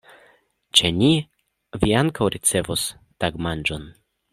Ĉe ni vi ankaŭ ricevos tagmanĝon.